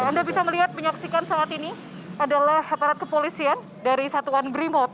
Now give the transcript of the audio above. anda bisa melihat menyaksikan saat ini adalah aparat kepolisian dari satuan brimob